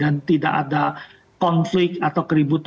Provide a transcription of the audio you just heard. dan tidak ada konflik atau keributan dengan pemilu kita